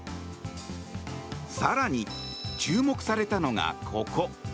更に、注目されたのがここ。